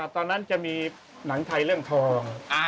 ตอนนั้นจะมีหนังไทยเรื่องทอง